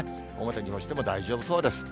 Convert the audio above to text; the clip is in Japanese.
表に干しても大丈夫そうです。